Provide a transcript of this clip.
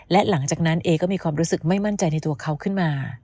และหลังจากนั้นเอก็มีความรู้สึกไม่มั่นใจในตัวเขาขึ้นมา